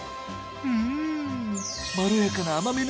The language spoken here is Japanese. うん！